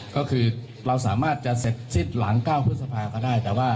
ก็คือเราสามารถจะเสร็จซิทหลัง๙พุทธภาพก็ได้